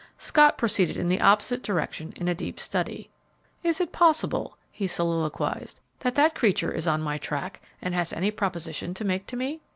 Scott proceeded in the opposite direction in a deep study. "Is it possible," he soliloquized, "that that creature is on my track and has any proposition to make to me?